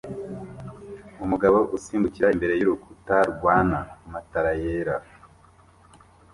Umugabo usimbukira imbere y'urukuta rwana matara yera